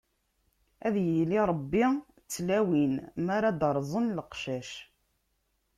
Ad yili Ṛebbi d tlawin, mi ara d-rẓen leqcac.